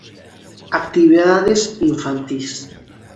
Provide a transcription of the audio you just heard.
Actividades infantís.